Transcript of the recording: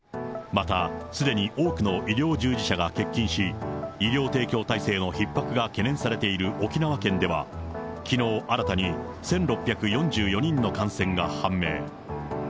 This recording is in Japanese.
また、すでに多くの医療従事者が欠勤し、医療提供体制のひっ迫が懸念されている沖縄県では、きのう新たに１６４４人の感染が判明。